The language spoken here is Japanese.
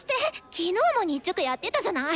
昨日も日直やってたじゃない。